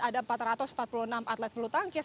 ada empat ratus empat puluh enam atlet bulu tangkis